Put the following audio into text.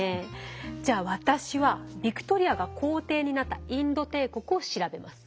じゃあ私はヴィクトリアが皇帝になったインド帝国を調べます。